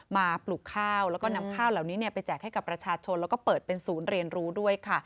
ปลูกข้าวแล้วก็นำข้าวเหล่านี้ไปแจกให้กับประชาชนแล้วก็เปิดเป็นศูนย์เรียนรู้ด้วยค่ะ